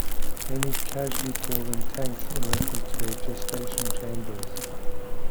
Many casually call them "tanks" in reference to their gestation chambers.